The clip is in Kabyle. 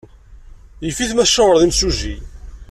Yif-it ma tcawṛeḍ imsujji.